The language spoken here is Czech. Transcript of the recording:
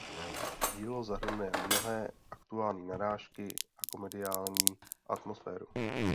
Dílo zahrnuje mnohé aktuální narážky a komediální atmosféru.